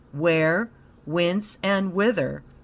Where? Whence and Whither?"